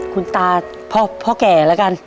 คุณตาพ่อแก่แล้วกัน